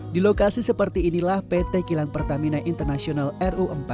di lokasi seperti inilah pt kilang pertamina international ru empat